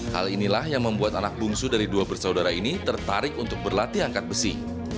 hal inilah yang membuat anak bungsu dari dua bersaudara ini tertarik untuk berlatih angkat besi